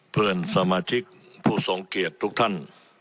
เพื่อนสมาชิกผู้ทรงเกียรติทุกท่าน